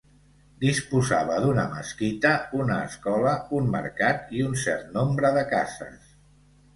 Disposava d'una mesquita, una escola, un mercat i un cert nombre de cases.